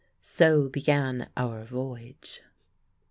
So began our voyage.